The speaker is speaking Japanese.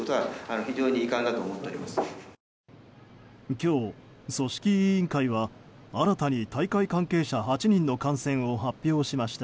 今日、組織委員会は新たに大会関係者８人の感染を発表しました。